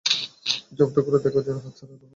জব্দ করো, দেখো যেনো হাত ছাড়া না হয়।